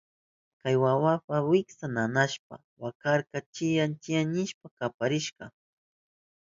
Kay wawaka wiksan nanashpan wakarka, chiyán chiyán nishpa kaparirka.